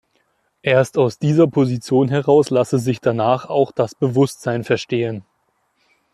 Erst aus dieser Position heraus lasse sich danach auch das Bewusstsein verstehen.